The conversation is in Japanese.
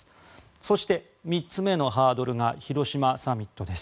そして、３つ目のハードルが広島サミットです。